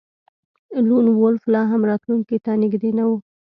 لون وولف لاهم راتلونکي ته نږدې نه و